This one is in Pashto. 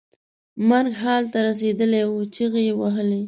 مرګ حال ته رسېدلی و چغې یې وهلې.